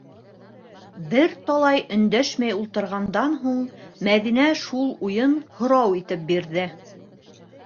Бер талай өндәшмәй ултырғандан һуң Мәҙинә шул уйын һорау итеп бирҙе: